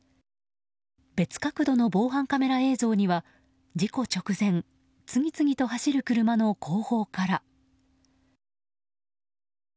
別角度の防犯カメラ映像には事故直前次々と走る車の後方から。